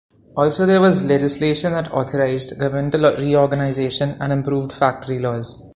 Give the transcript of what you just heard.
Also there was legislation that authorized governmental reorganization, and improved factory laws.